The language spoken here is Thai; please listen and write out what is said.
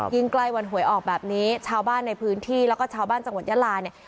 ใกล้วันหวยออกแบบนี้ชาวบ้านในพื้นที่แล้วก็ชาวบ้านจังหวัดยาลาเนี่ย